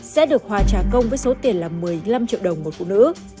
sẽ được hòa trả công với số tiền là một mươi năm triệu đồng một phụ nữ